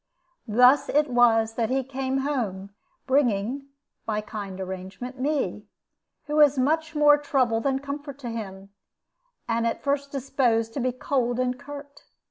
Thus it was that he came home, bringing (by kind arrangement) me, who was much more trouble than comfort to him, and at first disposed to be cold and curt.